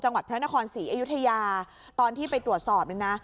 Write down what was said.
จังหวัดพระนครศรีอยุธยาตอนที่ไปตรวจสอบเนี่ยนะ